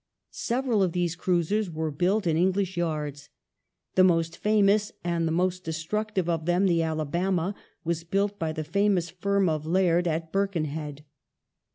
Several of these cruisers were built in English yards. The most famous and the most destructive of them — the Alabama — was built by the famous firm of Laird at Birkenhead.